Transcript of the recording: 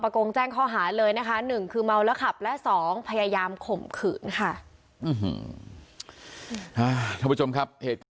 โกงแจ้งข้อหาเลยนะคะหนึ่งคือเมาแล้วขับและ๒พยายามข่มขืนค่ะ